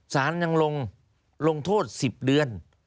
สารยังลงโทษ๑๐เดือน